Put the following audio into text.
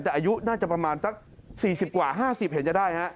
แต่อายุน่าจะประมาณสัก๔๐กว่า๕๐เห็นจะได้ฮะ